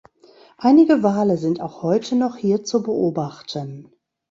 Einige Wale sind auch heute noch hier zu beobachten.